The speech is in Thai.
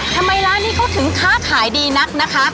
ร้านนี้เขาถึงค้าขายดีนักนะคะ